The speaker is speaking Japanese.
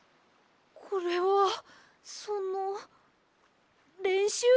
これはそのれんしゅうです。